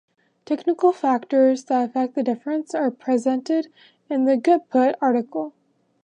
Technical factors that affect the difference are presented in the "goodput" article.